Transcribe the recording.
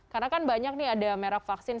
karena kan banyak nih ada merek vaksin